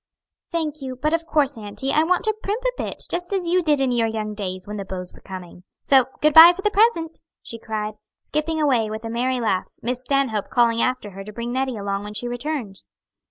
"Thank you, but of course, auntie, I want to primp a bit, just as you did in your young days, when the beaux were coming. So good bye for the present," she cried, skipping away with a merry laugh, Miss Stanhope calling after her to bring Nettie along when she returned.